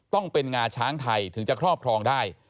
ต้องเป็นงาช้างไทยถึงจะครอบครองได้